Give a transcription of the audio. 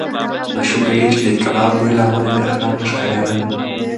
ماشوم په غېږ کې د کباب بوی له امله بې ارامه ښکارېده.